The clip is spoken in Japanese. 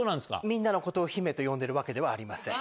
みんなのことを姫と呼んでるわけではありません。